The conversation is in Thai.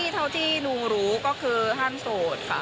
เท่าที่หนูรู้ก็คือท่านโสดค่ะ